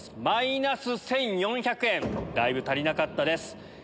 マイナス１４００円だいぶ足りなかったです。